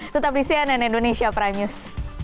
tetap di cnn indonesia prime news